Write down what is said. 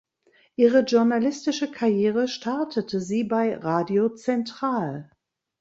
Ihre journalistische Karriere startete sie bei Radio Central.